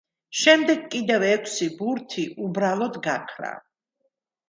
შემდეგ, კიდევ ექვსი ბურთი უბრალოდ გაქრა.